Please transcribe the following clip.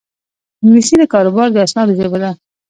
انګلیسي د کاروبار د اسنادو ژبه ده